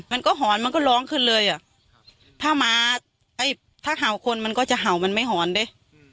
มันก็หอนมันก็ร้องขึ้นเลยอ่ะถ้าห่าวคนมันก็จะห่าวมันไม่หอนได้